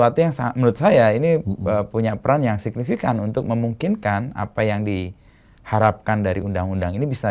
sesuatu yang menurut saya ini punya peran yang signifikan untuk memungkinkan apa yang diharapkan dari undang undang ini bisa